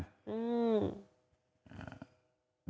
อืม